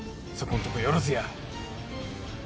そこんとこよろずや。